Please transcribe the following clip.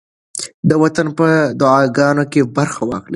د وطن په دعاګانو کې برخه واخلئ.